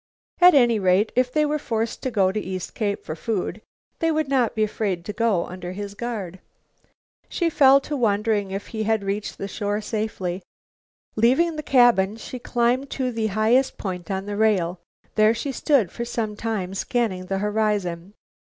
At any rate, if they were forced to go to East Cape for food, they would not be afraid to go under his guard. She fell to wondering if he had reached the shore safely. Leaving the cabin, she climbed to the highest point on the rail. There she stood for some time scanning the horizon.